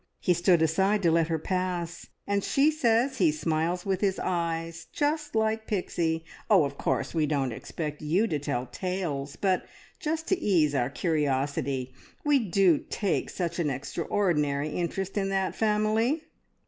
He stood aside to let her pass, and she says he smiles with his eyes, just like Pixie! Oh, of course, we don't expect you to tell tales, but just to ease our curiosity. We do take such an extraordinary interest in that family!"